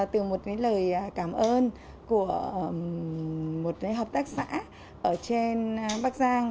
từ một cái lời cảm ơn của một hợp tác xã ở trên bắc giang